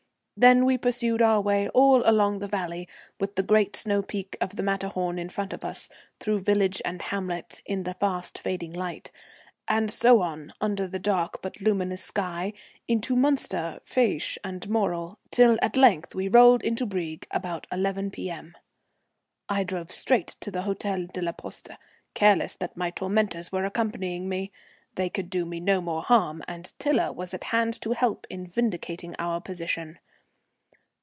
Then we pursued our way all along the valley, with the great snow peak of the Matterhorn in front of us, through village and hamlet, in the fast fading light, and so on under the dark but luminous sky into Munster, Fiesch, and Morel, till at length we rolled into Brieg about 11 P.M. I drove straight to the Hôtel de la Poste, careless that my tormentors were accompanying me; they could do me no more harm, and Tiler was at hand to help in vindicating our position.